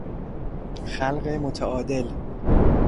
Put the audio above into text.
خلق متعادل